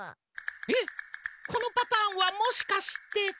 えっこのパターンはもしかして？